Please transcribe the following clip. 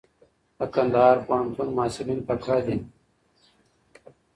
د کندهار پوهنتون محصلین تکړه دي.